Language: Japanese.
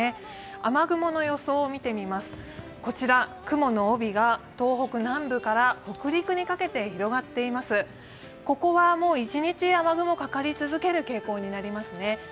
雨雲の予想見てみます、こちら、雲の帯が東北南部から北陸にかけて広がっています、ここは一日雨雲がかかり続ける傾向になりますね。